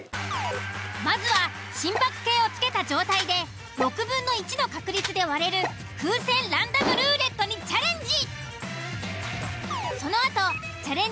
まずは心拍計をつけた状態で６分の１の確率で割れる風船ランダムルーレットにチャレンジ。